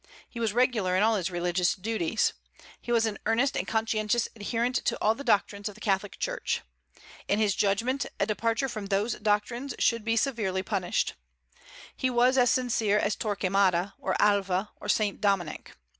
He was regular in all his religious duties. He was an earnest and conscientious adherent to all the doctrines of the Catholic Church. In his judgment, a departure from those doctrines should be severely punished. He was as sincere as Torquemada, or Alva, or Saint Dominic.